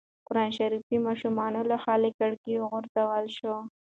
قرانشریف د ماشوم له خوا له کړکۍ وغورځول شو.